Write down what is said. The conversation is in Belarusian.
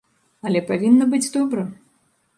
Але павінна быць добра.